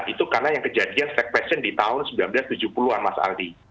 itu karena yang kejadian di tahun seribu sembilan ratus tujuh puluh an mas adi